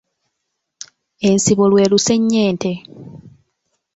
Ensibo lwe lusennyente.